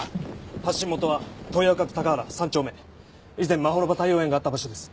発信元は豊丘区鷹原３丁目以前まほろば太陽園があった場所です。